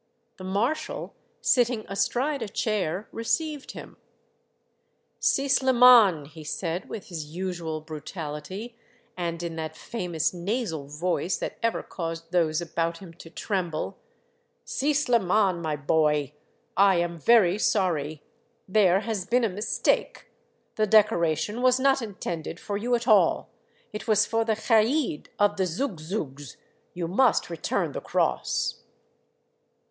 The marshal, sitting astride a chair, received him. 1 50 Monday Tales, " Si Sllman !" he said with his usual brutality, and in that famous nasal voice that ever caused those about him to tremble, "■ Si Sliman, my boy, I am very sorry. There has been a mistake. The decoration was not intended for you at all. It was for the kaid of the Zoug Zougs. You must return the cross.